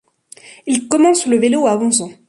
Il commence le vélo à onze ans.